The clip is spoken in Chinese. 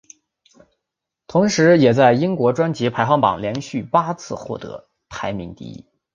同时也在英国专辑排行榜连续八次获得排名第一。